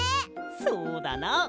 そうだな。